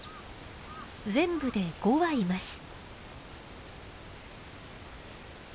全部で５羽います。